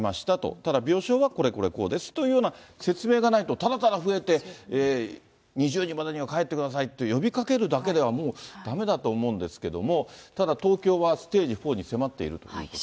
ただ、病床はこれこれこうですというような説明がないと、ただただ増えて、２０時までには帰ってくださいと呼びかけるだけでは、もうだめだと思うんですけれども、ただ東京はステージ４に迫っているということで。